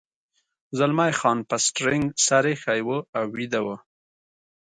زلمی خان پر سټرینګ سر اېښی و او ویده و.